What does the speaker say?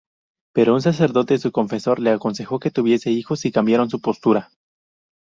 Pero un sacerdote, su confesor, les aconsejó que tuviesen hijos, y cambiaron su postura.